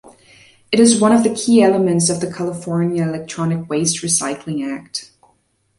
It is one of the key elements of the California Electronic Waste Recycling Act.